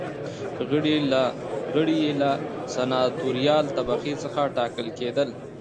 غړي یې له سناتوریال طبقې څخه ټاکل کېدل.